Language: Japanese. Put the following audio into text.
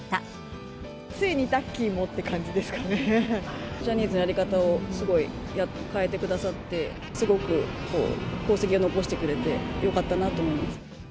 ついにタッキーもって感じでジャニーズのやり方をすごい変えてくださって、すごく功績を残してくれて、よかったなと思います。